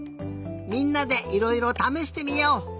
みんなでいろいろためしてみよう！